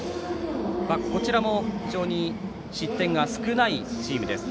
こちらも非常に失点が少ないチームです。